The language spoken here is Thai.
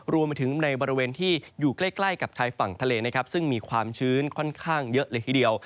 รวมไปถึงในบริเวณที่อยู่ใกล้กับชายฝั่งทะเลนะครับซึ่งมีความชื้นค่อนข้างเยอะเลยทีเดียว